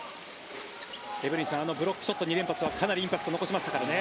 エブリンさんブロックショット２連発はかなりインパクトを残しましたね。